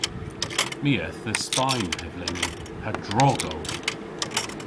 My eth dhe Spayn hevleni ha drog o.